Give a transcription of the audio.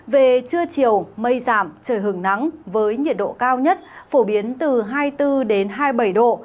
về trưa chiều mây giảm trời hứng nắng với nhiệt độ cao nhất phổ biến từ hai mươi bốn hai mươi bảy độ